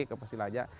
ke pasir lajar